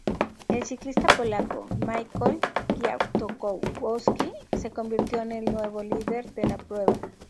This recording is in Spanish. El ciclista polaco Michał Kwiatkowski se convirtió en el nuevo líder de la prueba.